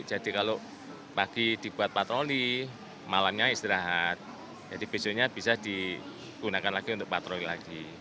jadi kalau pagi dibuat patroli malamnya istirahat jadi besoknya bisa digunakan lagi untuk patroli lagi